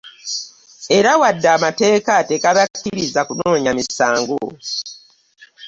Era wadde amateeka tegabakkiriza kunoonya misango